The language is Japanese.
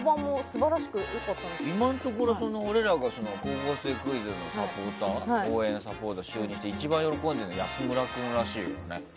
今のところ俺らが「高校生クイズ」の応援サポーターに就任して一番喜んでるの安村君らしいよね。